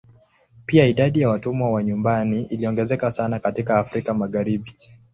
Pia idadi ya watumwa wa nyumbani iliongezeka sana katika Afrika Magharibi.